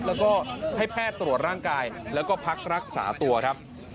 แล้วก็ให้แพทย์ตรวจร่างกายแล้วก็พักรักษาตัวครับ